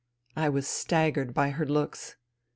I was staggered by her looks.